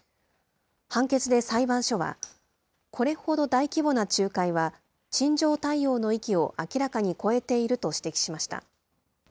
判決で裁判所は、これほど大規模な仲介は、陳情対応の域を明らかに超えていると指摘しました。